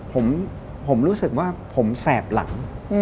ผมรู้สึกว่าผมแสบหลัง